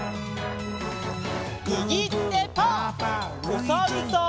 おさるさん。